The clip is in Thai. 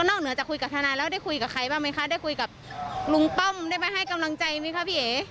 เหนือจะคุยกับทนายแล้วได้คุยกับใครบ้างไหมคะได้คุยกับลุงป้อมได้ไปให้กำลังใจไหมคะพี่เอ๋